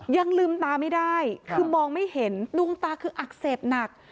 ยังลืมตาไม่ได้คือมองไม่เห็นดวงตาคืออักเสบหนัก